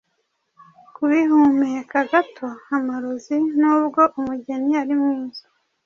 Kubihumeka gato-amarozinubwo umugeni ari mwiza